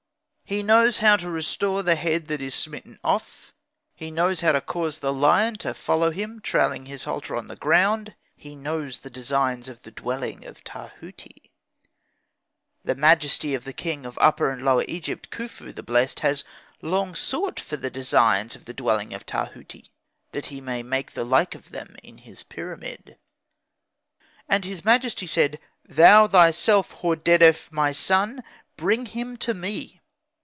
He knows how to restore the head that is smitten off; he knows how to cause the lion to follow him trailing his halter on the ground; he knows the designs of the dwelling of Tahuti. The majesty of the king of Upper and Lower Egypt, Khufu, the blessed, has long sought for the designs of the dwelling of Tahuti, that he may make the like of them in his pyramid." And his majesty said, "Thou, thyself, Hordedef, my son, bring him to me."